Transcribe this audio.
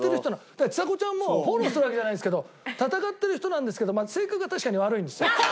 だからちさ子ちゃんもフォローするわけじゃないですけど戦ってる人なんですけど性格は確かに悪いんですよ。